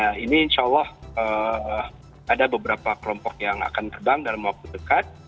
nah ini insya allah ada beberapa kelompok yang akan terbang dalam waktu dekat